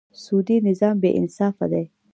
سودي نظام بېانصافه دی.